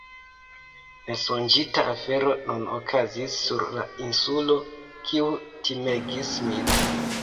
Nesonĝita afero nun okazis sur la insulo kiu timegis min.